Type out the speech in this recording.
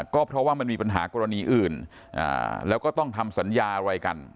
ก็เพราะว่ามันมีปัญหากรณีอื่นแล้วก็ต้องทำสัญญาอะไรกัน